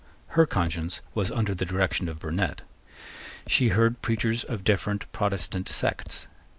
Her conscience was under the direction of Burnet. She heard preachers of different Protestant sects.